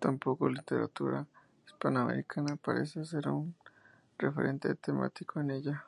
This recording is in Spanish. Tampoco la literatura hispanoamericana parece ser un referente temático en ella.